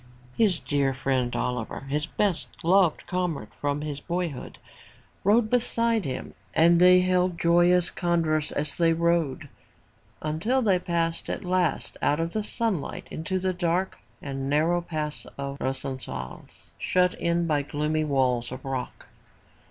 His dear friend Oliver, his best loved comrade from his boyhood, rode beside him and 302 FROM THE TOWER WINDOW they held joyous converse as they rode, until they passed at last out of the sunlight into the dark and narrow pass of Roncesvalles, shut in by gloomy walls of rock.